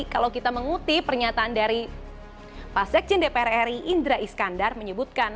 kalau kita mengutip pernyataan dari pasek cinde pr ri indra iskandar menyebutkan